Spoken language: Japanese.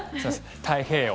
太平洋